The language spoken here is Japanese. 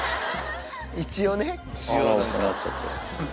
一応ね。